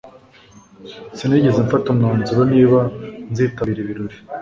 Sinigeze mfata umwanzuro niba nzitabira ibirori